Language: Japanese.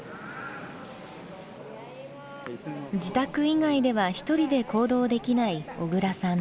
自宅以外では一人で行動できない小椋さん。